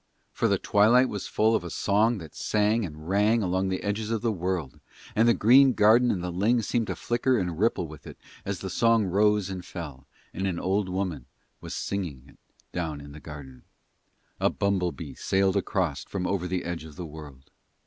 For the twilight was full of a song that sang and rang along the edges of the World, and the green garden and the ling seemed to flicker and ripple with it as the song rose and fell, and an old woman was singing it down in the garden. A bumble bee sailed across from over the Edge of the World.